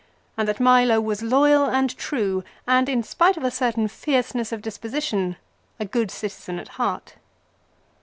and that Milo was loyal and true, and in spite of a certain fierceness of disposition, a good citizen at heart.